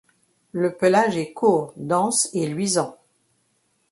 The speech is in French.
Le pelage est court, dense et luisant.